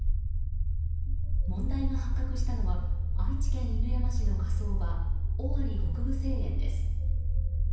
問題が発覚したのは愛知県犬山市の火葬場尾張北部聖苑です。